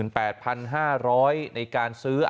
๑๘๕๐๐บาทในการซื้อ